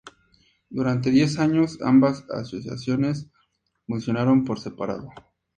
Durante diez años, ambas asociaciones funcionaron por separado.